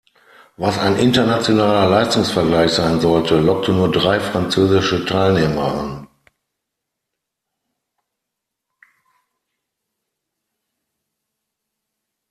Was ein internationaler Leistungsvergleich sein sollte, lockte nur drei französische Teilnehmer an.